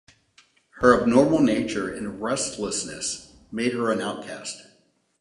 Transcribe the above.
Her abnormal nature and restlessness made her an outcast